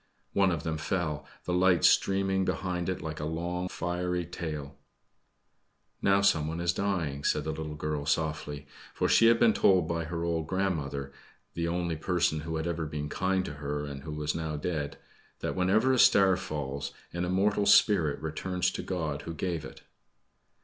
One of them fell, the lights streaming behind it like a long, fiery tail. "Now someone is dying," said the little girl softly, for she had been told by her old grandmother the only person who had ever been kind to her, and who was now dead that whenever a star falls an immortal spirit returns to God who gave it.